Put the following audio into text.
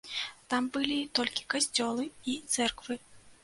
Там былі толькі касцёлы і цэрквы.